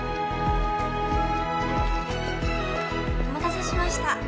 お待たせしました。